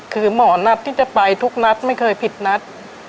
คือหมอนัดที่จะไปทุกนัดไม่เคยผิดนัด